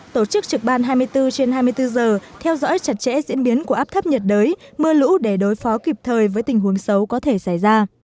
tổ chức trực ban hai mươi bốn trên hai mươi bốn giờ theo dõi chặt chẽ diễn biến của áp thấp nhiệt đới mưa lũ để đối phó kịp thời với tình huống xấu có thể xảy ra